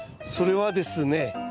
それはですね